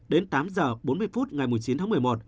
đến tám giờ bốn mươi phút ngày một mươi chín tháng một mươi một